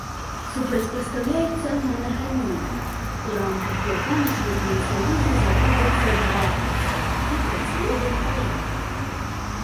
Супрацьпастаўляецца манагаміі, у рамках якой у шлюбным саюзе знаходзяцца два прадстаўнікі процілеглых палоў.